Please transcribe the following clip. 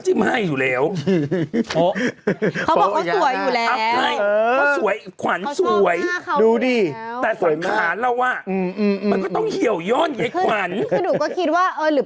ตากดูอิ่มขึ้นอะไรแบบนี้